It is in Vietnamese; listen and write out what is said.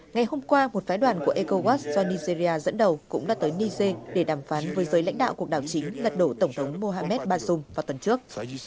ngày hôm qua một phái đoàn của ecowas do nigeria dẫn đầu cũng đã tới niger để đàm phán với giới lãnh đạo cuộc đảo chính lật đổ tổng thống mohamed bazoum vào tuần trước